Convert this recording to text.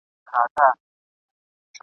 خو یو عیب چي یې درلود ډېره غپا وه ..